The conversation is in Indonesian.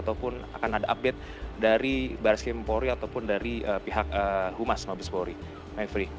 ataupun akan ada update dari baris krim bahuri ataupun dari pihak humas mobil bahuri mayfri